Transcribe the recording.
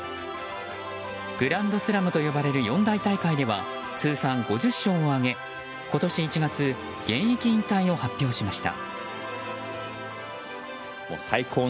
グランドスラムと呼ばれる四大大会には通算５０勝を挙げ今年１月現役引退を発表しました。